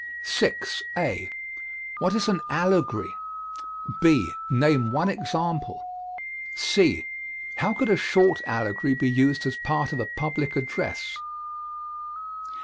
6. (a) What is an allegory? (b) Name one example. (c) How could a short allegory be used as part of a public address?